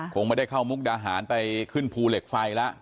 คงไม่ได้เข้ามุกดาหารไปขึ้นภูเหล็กไฟแล้ว